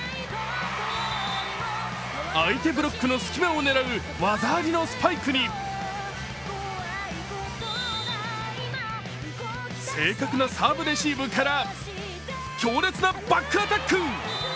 相手ブロックの隙間を狙う技ありのスパイクに正確なサーブレシーブから強烈なバックアタック。